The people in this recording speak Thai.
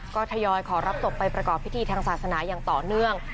ก็ทยอยขอรับศพไปประกอบพิธีทางศาสนาอย่างต่อเนื่อง